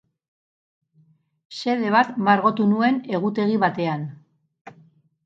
Xede bat margotu nuen egutegi batean.